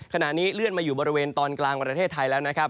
ขณะนี้เลื่อนมาอยู่บริเวณตอนกลางประเทศไทยแล้วนะครับ